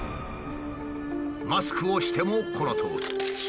マスクをしてもこのとおり。